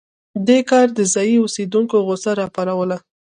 دې کار د ځايي اوسېدونکو غوسه راوپاروله.